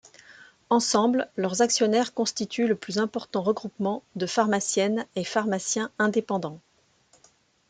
Ensemble, leurs actionnaires constituent le plus important regroupement de pharmaciennes et pharmaciens indépendants.